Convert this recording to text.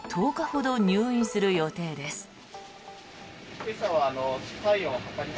１０日ほど入院する予定です。